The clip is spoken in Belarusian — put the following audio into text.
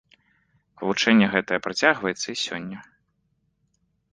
Вывучэнне гэтае працягваецца і сёння.